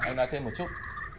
anh nói thêm một chút